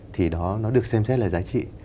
thì đó nó được xem xét là giá trị